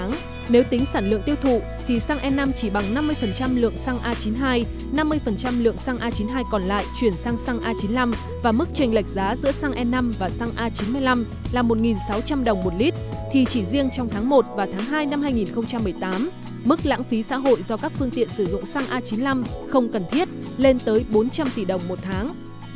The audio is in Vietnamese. nếu tính sản lượng tiêu thụ thì xăng e năm chỉ bằng năm mươi lượng xăng a chín mươi hai năm mươi lượng xăng a chín mươi hai còn lại chuyển sang xăng a chín mươi năm và mức trình lệch giá giữa xăng e năm và xăng a chín mươi năm là một sáu trăm linh đồng một lít thì chỉ riêng trong tháng một và tháng hai năm hai nghìn một mươi tám mức lãng phí xã hội do các phương tiện sử dụng xăng a chín mươi năm không cần thiết lên tới bốn trăm linh tỷ đồng một tháng